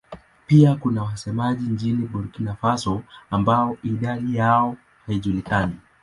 Pia kuna wasemaji nchini Burkina Faso ambao idadi yao haijulikani.